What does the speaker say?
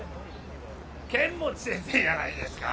剣持先生じゃないですか！